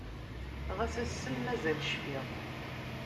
Ɣaf ass-n mazal cfiɣ.